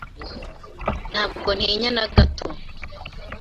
Ntabwo ntinya na gato.